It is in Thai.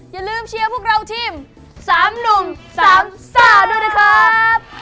อย่าลืมเชียร์พวกเราทีม๓หนุ่ม๓ซ่าด้วยนะครับ